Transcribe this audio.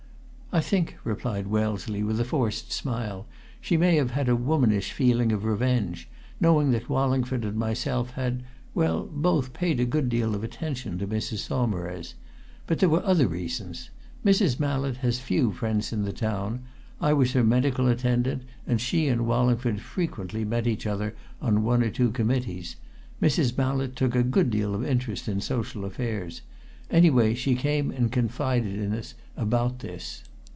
"I think," replied Wellesley, with a forced smile, "she may have had a womanish feeling of revenge, knowing that Wallingford and myself had well, both paid a good deal of attention to Mrs. Saumarez. But there were other reasons Mrs. Mallett has few friends in the town; I was her medical attendant, and she and Wallingford frequently met each other on one or two committees Mrs. Mallett took a good deal of interest in social affairs. Anyway, she came and confided in us about this."